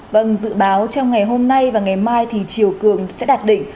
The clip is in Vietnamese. vâng dự báo trong ngày hôm nay và ngày mai thì chiều cường sẽ đạt đỉnh